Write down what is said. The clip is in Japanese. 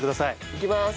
いきまーす。